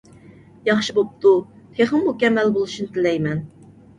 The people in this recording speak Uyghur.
ياخشى بوپتۇ، تېخىمۇ مۇكەممەل بولۇشىنى تىلەيمەن!